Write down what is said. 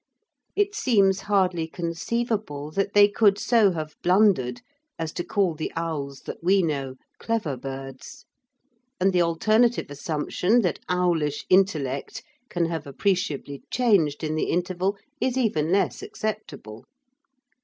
It seems hardly conceivable that they could so have blundered as to call the owls that we know clever birds; and the alternative assumption that owlish intellect can have appreciably changed in the interval is even less acceptable.